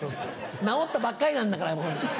治ったばっかりなんだから。